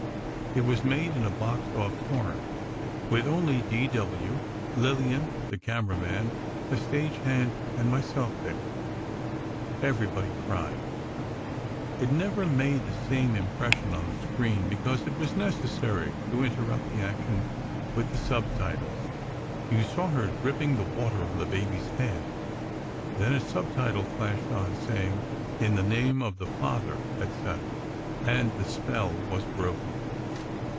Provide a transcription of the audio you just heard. It was made in a boxed off corner, with only D. W., Lillian, the camera man, a stage hand and myself there. Everybody cried. It never made the same impression on the screen, because it was necessary to interrupt the action with the sub titles. You saw her dripping the water on the baby's head; then a sub title flashed on, saying: "In the Name of the Father, etc.," and the spell was broken.